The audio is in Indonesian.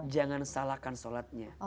jangan salahkan sholatnya